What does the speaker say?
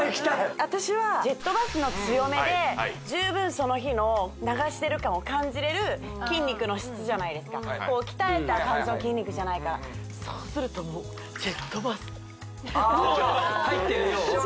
私はジェットバスの強めで十分その日の流してる感を感じれる筋肉の質じゃないですか鍛えた感じの筋肉じゃないからそうするともうジェットバス入ってるよう？